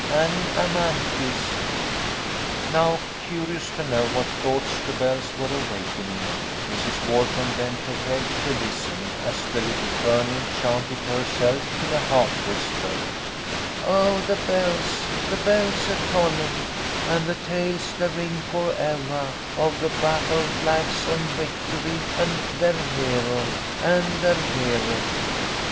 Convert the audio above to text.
An' Amanthis!" Now, curious to know what thoughts the bells were awakening, Mrs. Walton bent her head to listen as the Little Colonel chanted to herself in a half whisper, "Oh, the bells, the bells a tolling, and the tales they ring for evah, of the battle flags an* victory, an* their hero ! An' their hero